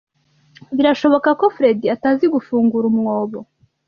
Birashoboka ko Fredy atazi gufungura umwobo.